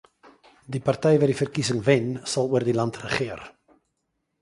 Die party wat die verkiesing wen, sal oor die land regeer.